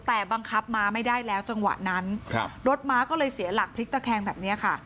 แต่บังคับม้าไม่ได้แล้วจังหวะนั้นครับรถม้าก็เลยเสียหลักพลิกตะแคงแบบนี้ค่ะ